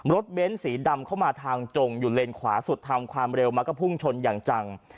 เบ้นสีดำเข้ามาทางจงอยู่เลนขวาสุดทำความเร็วมาก็พุ่งชนอย่างจัง